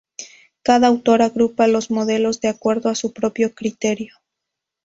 Cada autor agrupa los modelos de acuerdo a su propio criterio.